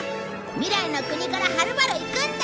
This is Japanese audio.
未来の国からはるばる行くんだ。